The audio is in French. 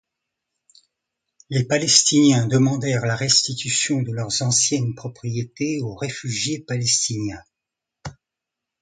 Les Palestiniens demandèrent la restitution de leurs anciennes propriétés aux réfugiés palestiniens.